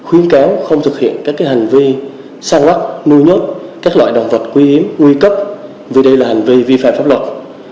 và thực hiện các hành vi sang bắt nuôi nhốt các loại động vật quý hiếm nguy cấp vì đây là hành vi vi phạm pháp luật